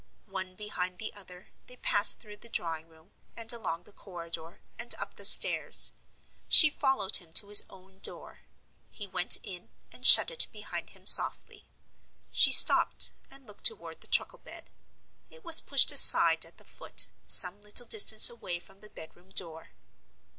One behind the other, they passed through the drawing room, and along the corridor, and up the stairs. She followed him to his own door. He went in, and shut it behind him softly. She stopped, and looked toward the truckle bed. It was pushed aside at the foot, some little distance away from the bedroom door.